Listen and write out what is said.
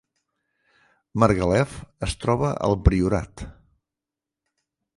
Margalef es troba al Priorat